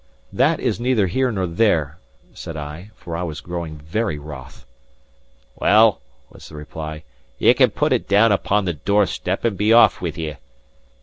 "That is neither here nor there," said I, for I was growing very wroth. "Well," was the reply, "ye can put it down upon the doorstep, and be off with ye."